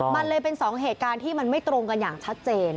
มันเลยเป็นสองเหตุการณ์ที่มันไม่ตรงกันอย่างชัดเจน